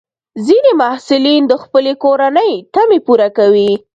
ځینې محصلین د خپلې کورنۍ تمې پوره کوي.